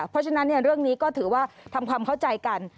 เพราะฉะนั้นเรื่องนี้ก็ถือว่าทำความเข้าใจกัน